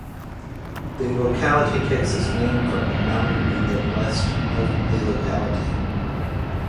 The locality takes its name from the mountain in the west of the locality.